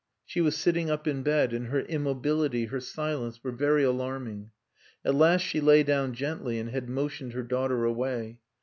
She was sitting up in bed, and her immobility, her silence, were very alarming. At last she lay down gently and had motioned her daughter away.